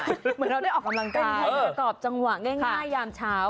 เหมือนเราได้ออกกำลังกายประกอบจังหวะง่ายยามเช้า